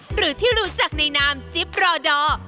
หรือที่รู้จักในนามจิ๊บรอดอร์